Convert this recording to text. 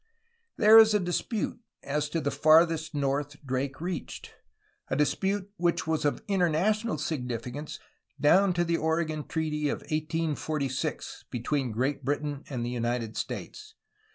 DRAKE AND NEW ALBION 101 There is a dispute as to the farthest north Drake reached, a dispute which was of international significance down to the Oregon Treaty of 1846 between Great Britain and the Unites States.